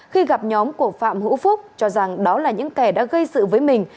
khi gặp nhóm của phạm hữu phúc cho rằng đó là những kẻ đã gây sự với mình